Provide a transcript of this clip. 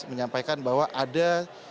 menyampaikan bahwa ada